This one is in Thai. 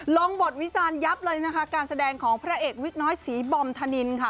ลงบทวิจารณ์ยับเลยนะคะการแสดงของพระเอกวิกน้อยสีบอมธนินค่ะ